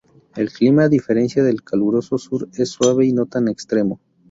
El clima, a diferencia del caluroso sur, es suave y no tan extremo.